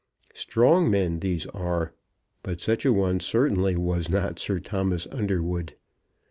Strong men these are; but such a one certainly was not Sir Thomas Underwood.